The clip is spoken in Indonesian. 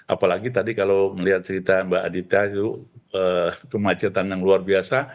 apalagi tadi kalau melihat cerita mbak adita itu kemacetan yang luar biasa